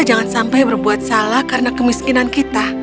jangan sampai berbuat salah karena kemiskinan kita